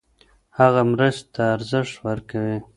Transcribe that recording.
هغه مرستې ته ارزښت ورکوي.